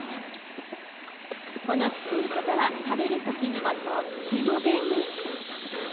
この包み方は食べる時にもとっても便利。